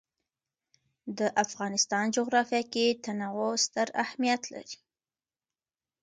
د افغانستان جغرافیه کې تنوع ستر اهمیت لري.